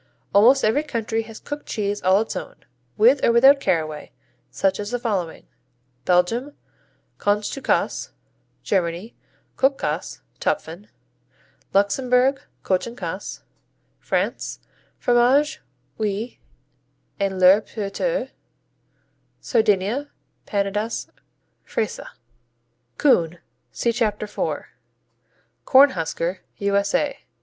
Almost every country has a cooked cheese all its own, with or without caraway, such as the following: Belgium Kochtounkäse Germany Kochkäse, Topfen Luxembourg Kochenkäse France Fromage Ouit & Le P'Teux Sardinia Pannedas, Freisa Coon see Chapter 4. Cornhusker _U.S.A.